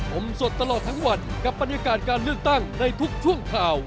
ผมสดตลอดทั้งวันกับบรรยากาศการเลือกตั้งในทุกช่วงข่าว